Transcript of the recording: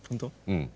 うん。